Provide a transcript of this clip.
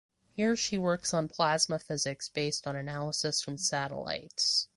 Here she works on plasma physics based on analysis from satellites.